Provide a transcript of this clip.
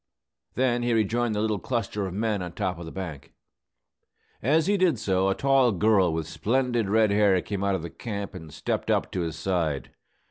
Then he rejoined the little cluster of men on top of the bank. As he did so, a tall girl with splendid red hair came out of the camp and stepped up to his side.